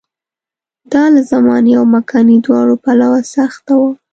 دا له زماني او مکاني دواړو پلوه سخته وه.